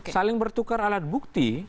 saling bertukar alat bukti